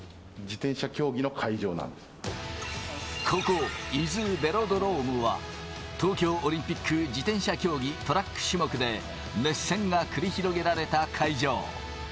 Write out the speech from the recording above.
ここ伊豆ベロドロームは、東京オリンピック自転車競技トラック種目で熱戦が繰り広げられた会場。